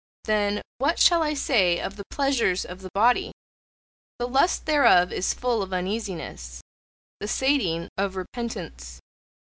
'Then, what shall I say of the pleasures of the body? The lust thereof is full of uneasiness; the sating, of repentance.